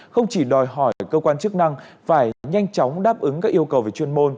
không chỉ đòi hỏi cơ quan chức năng phải nhanh chóng đáp ứng các yêu cầu về chuyên môn